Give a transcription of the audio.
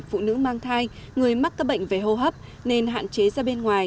phụ nữ mang thai người mắc các bệnh về hô hấp nên hạn chế ra bên ngoài